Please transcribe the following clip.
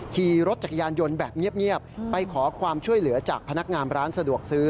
ขี่รถจักรยานยนต์แบบเงียบไปขอความช่วยเหลือจากพนักงานร้านสะดวกซื้อ